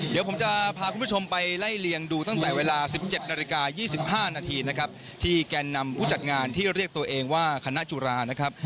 เดี๋ยวผมจะพาคุณผู้ชมไปไล่เลียงดูตั้งแต่เวลา๑๗นาฬิกา๒๕นาทีนะครับที่แกนนำผู้จัดงานที่เรียกตัวเองว่าคณะจุฬานะครับ